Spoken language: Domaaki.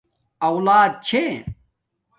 اولݳت چھݺ؟